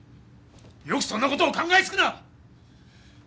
よくそんな事を考えつくな！